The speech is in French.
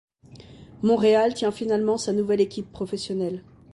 Montréal tient finalement sa nouvelle équipe professionnelle.